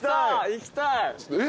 行きたい。